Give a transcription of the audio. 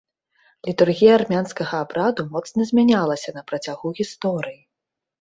Літургія армянскага абраду моцна змянялася на працягу гісторыі.